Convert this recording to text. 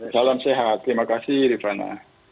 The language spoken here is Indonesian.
salam sehat terima kasih rifana